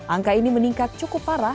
angka ini meningkat cukup parah